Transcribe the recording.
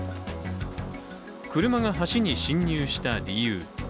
車が橋に進入した理由。